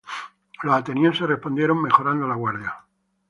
Los atenienses respondieron mejorando la guardia.